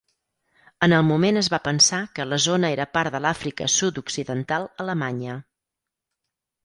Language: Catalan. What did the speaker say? En el moment es va pensar que la zona era part de l'Àfrica Sud-occidental Alemanya.